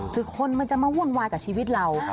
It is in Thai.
คือคนมันจะมาวุ่นวายกับชีวิตเรา